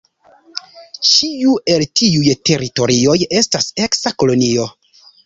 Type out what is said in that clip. Ĉiu el tiuj teritorioj estas eksa kolonio.